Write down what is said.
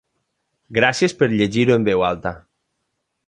Gràcies per llegir-ho en veu alta.